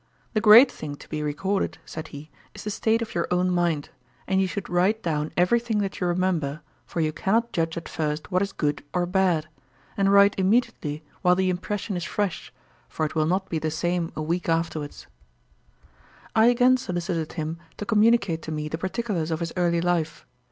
'The great thing to be recorded, (said he), is the state of your own mind; and you should write down every thing that you remember, for you cannot judge at first what is good or bad; and write immediately while the impression is fresh, for it will not be the same a week afterwards.' I again solicited him to communicate to me the particulars of his early life.